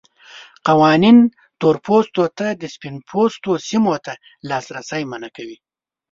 قوانین تور پوستو ته د سپین پوستو سیمو ته لاسرسی منع کوي.